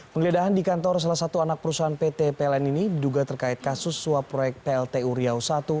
penggeledahan di kantor salah satu anak perusahaan pt pln ini diduga terkait kasus swapel t uriau satu